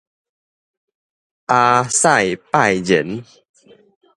亞塞拜然